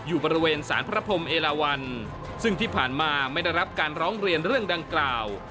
อยู่บริเวณสารพระพรมเอลาวันซึ่งที่ผ่านมาไม่ได้รับการร้องเรียนเรื่องดังกล่าว